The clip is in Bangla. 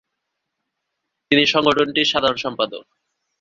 তিনি সংগঠনটির সাধারণ সম্পাদক।